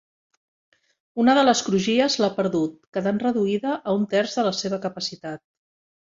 Una de les crugies l'ha perdut, quedant reduïda a un terç de la seva capacitat.